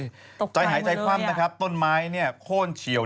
อย่าหายใจทำนะครับต้นไม้เนี่ยโค่นเฉียว